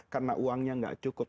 karena uangnya tidak cukup